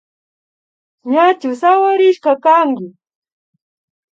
Ñachu sawarishka kanki